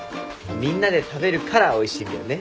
みんなで食べるからおいしいんだよね。